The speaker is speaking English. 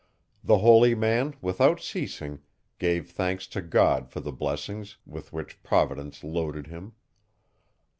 The holy man, without ceasing, gave thanks to God for the blessings, with which providence loaded him.